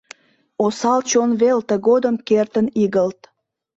Осал чон вел тыгодым кертын игылт.